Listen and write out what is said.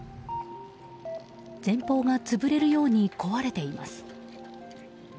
前方が潰れるように壊れています。